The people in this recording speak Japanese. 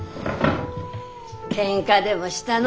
けんかでもしたの？